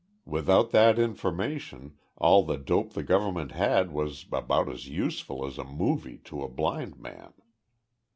Without that information, all the dope the government had was about as useful as a movie to a blind man.